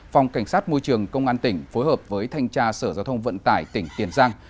phòng cảnh sát môi trường công an tỉnh phối hợp với thanh tra sở giao thông vận tải tỉnh tiền giang